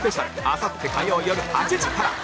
あさって火曜よる８時から